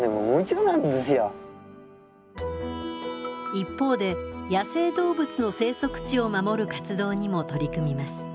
一方で野生動物の生息地を守る活動にも取り組みます。